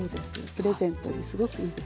プレゼントにすごくいいですよ。